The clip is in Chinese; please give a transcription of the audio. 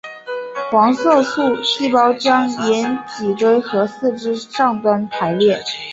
黄色素细胞将沿脊椎和四肢上端排列。